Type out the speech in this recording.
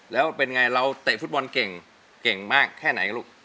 แล้วเป็นไงเราเตะฟุตบอลเก่งเก่งมากแค่ไหนลูก